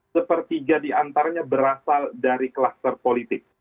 sepertiga di antaranya berasal dari kluster politik